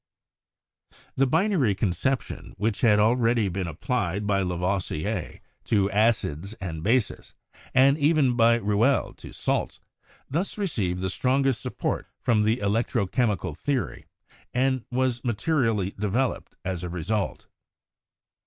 The binary conception, which had already been applied by Lavoisier to acids and bases, and even by Rouelle to salts, thus received the strongest support from the electro chem ical theory, and was materially developed as a result.